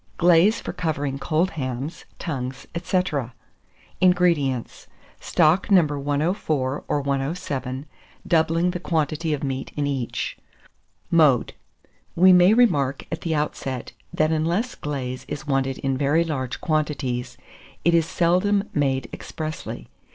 GLAZE FOR COVERING COLD HAMS, TONGUES, &c. 430. INGREDIENTS. Stock No. 104 or 107, doubling the quantity of meat in each. Mode. We may remark at the outset, that unless glaze is wanted in very large quantities, it is seldom made expressly.